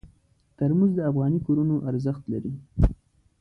ترموز د افغاني کورونو ارزښت لري.